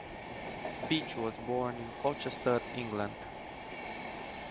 Beach was born in Colchester, England.